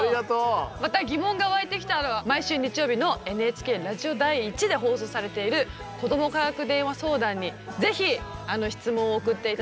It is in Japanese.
またギモンがわいてきたら毎週日曜日のＮＨＫラジオ第１で放送されている「子ども科学電話相談」にぜひしつもんを送っていただけたらと思います。